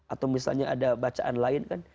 atau misalnya ada bacaan lain kan